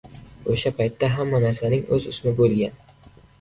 O‘sha paytda hamma narsaning o‘z ismi bo‘lgan.